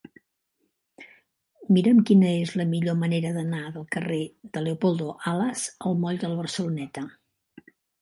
Mira'm quina és la millor manera d'anar del carrer de Leopoldo Alas al moll de la Barceloneta.